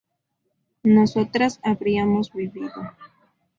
nosotras habríamos vivido